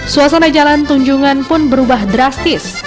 suasana jalan tunjungan pun berubah drastis